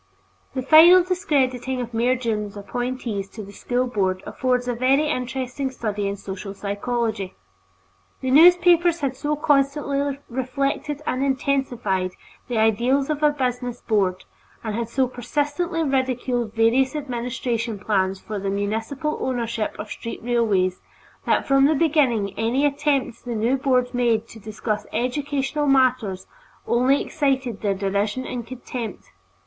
The final discrediting of Mayor Dunne's appointees to the School Board affords a very interesting study in social psychology; the newspapers had so constantly reflected and intensified the ideals of a business Board, and had so persistently ridiculed various administration plans for the municipal ownership of street railways, that from the beginning any attempt the new Board made to discuss educational matters only excited their derision and contempt.